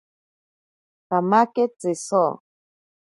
Kamake tziso.